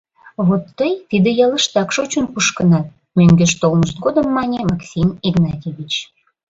— Вот тый тиде ялыштак шочын-кушкынат, — мӧҥгеш толмышт годым мане Максим Игнатьевич.